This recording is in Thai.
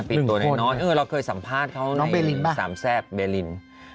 ปิดตัวนายน้อยเราเคยสัมภาษณ์เขาในสามแทรฟเบอริน